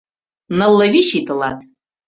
Нылле вич ий тылат!